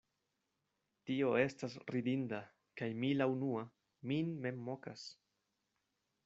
Tio estas ridinda, kaj mi la unua min mem mokas.